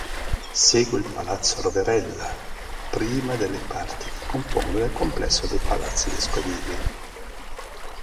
Segue il Palazzo Roverella, prima delle parti che compongono il complesso dei Palazzi Vescovili.